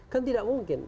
kan tidak mungkin